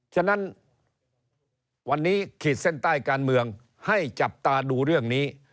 ฉะนั้นวันนี้ขีดเส้นใต้การเมืองให้จับตาดูเรื่องนี้